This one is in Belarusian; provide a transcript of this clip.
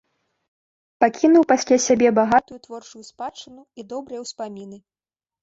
Пакінуў пасля сябе багатую творчую спадчыну і добрыя ўспаміны.